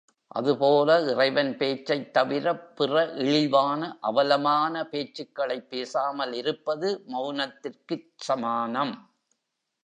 அதுபோல இறைவன் பேச்சைத் தவிரப் பிற இழிவான, அவலமான பேச்சுக்களைப் பேசாமல் இருப்பது மெளனத்திற்குச் சமானம்.